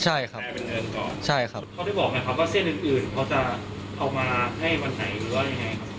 ใช่ครับใช่ครับเขาได้บอกนะครับว่าเส้นอื่นอื่นเขาจะเอามาให้วันไหน